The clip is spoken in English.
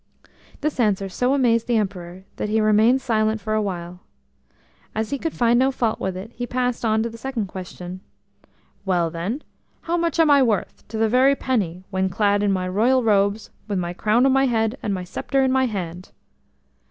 HIS answer so amazed the Emperor that he remained silent for a while. As he could find no fault with it, he passed on to the second question. "Well, then, how much am I worth, to the very penny, when clad in my royal robes, with my crown on my head, and my sceptre in my hand?"